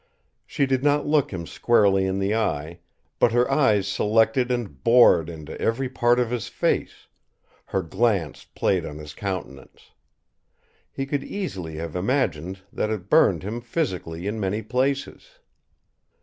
She did not look him squarely in the eye, but her eyes selected and bored into every part of his face; her glance played on his countenance. He could easily have imagined that it burned him physically in many places.